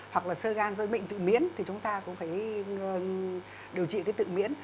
hoặc là sơ gan do bệnh tự miễn thì chúng ta cũng phải điều trị cái tự miễn